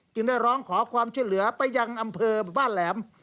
จึงได้ร้องขอความช่วยเหลือไปยังอำเภอบ้านแหลม